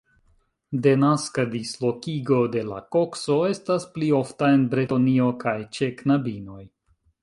Denaska dislokigo de la kokso estas pli ofta en Bretonio kaj ĉe knabinoj.